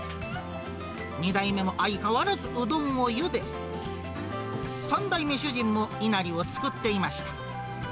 ２代目も相変わらずうどんをゆで、３代目主人もいなりを作っていました。